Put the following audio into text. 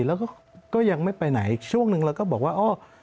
แล้วก็ยังไม่ไปไหนช่วงหนึ่งเราก็บอกว่าอ๋อ